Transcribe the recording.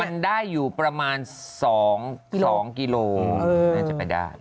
มันได้อยู่ประมาณ๒กิโลน่าจะไปได้